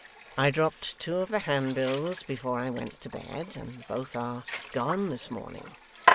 I dropped two of the handbills before I went to bed, and both are gone this morning.